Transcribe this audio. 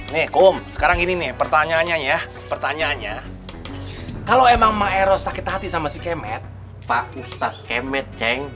nih kom sekarang ini nih pertanyaannya ya pertanyaannya kalau emang maero sakit hati sama si kemet pak ustadz kemet ceng